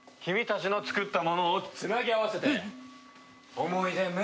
君たちの作ったものをつなぎ合わせて思い出